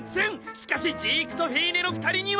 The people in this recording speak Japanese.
しかしジークとフィーネの二人には。